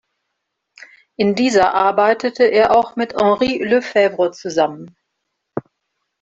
In dieser arbeitete er auch mit Henri Lefebvre zusammen.